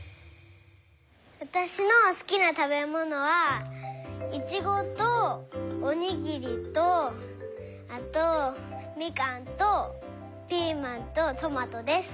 わたしのすきなたべものはイチゴとおにぎりとあとみかんとピーマンとトマトです。